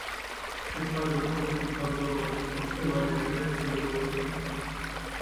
შეწყალების კომისიის თავმჯდომარის პოსტზე მან ელენე თევდორაძე შეცვალა.